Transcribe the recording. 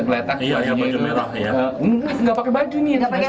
meledak tiga kali ini